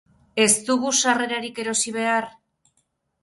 Ez dugu sarrerarik erosi behar?